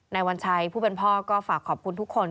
วัญชัยผู้เป็นพ่อก็ฝากขอบคุณทุกคน